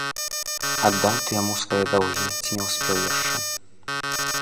Аддаў ты яму свае даўгі ці не ўспеў яшчэ?